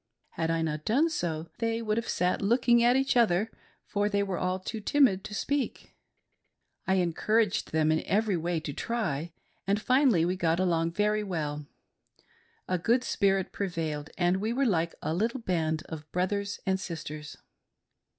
Had I not done so, they would have sat looking at each other, for they were all too timid to speak. I en couraged them in ev^ry way to try, and finally we got along very well. A "good spirit" prevailed, and we were like a little band of brothers and sisters.